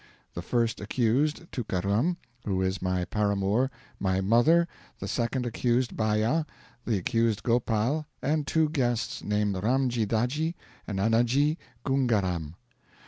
the first accused Tookaram, who is my paramour, my mother, the second accused Baya, the accused Gopal, and two guests named Ramji Daji and Annaji Gungaram.